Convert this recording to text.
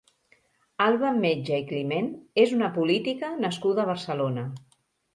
Alba Metge i Climent és una política nascuda a Barcelona.